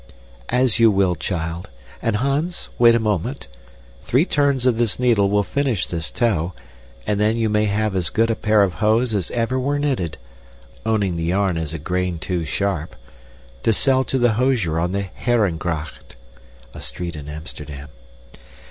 "As you will, child, and Hans wait a moment. Three turns of this needle will finish this toe, and then you may have as good a pair of hose as ever were knitted (owning the yarn is a grain too sharp) to sell to the hosier on the Harengracht. *{A street in Amsterdam.